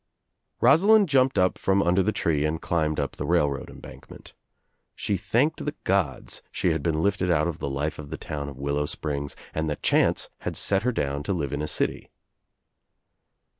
Rosalind jumped up from under the tree and climbed up the railroad embankment. She thanked the gods she had been lifted out of the life of the town of Willow Springs and that chance had set her down to live in a city.